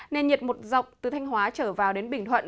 nên nhiệt một dọc từ thanh hóa trở vào đến bình thuận